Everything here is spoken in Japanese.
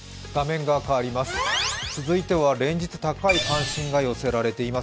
続いては連日高い関心が寄せられています